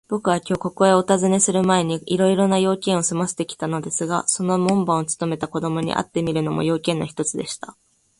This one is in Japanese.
ぼくはきょう、ここへおたずねするまえに、いろいろな用件をすませてきたのですが、その門番をつとめた子どもに会ってみるのも、用件の一つでした。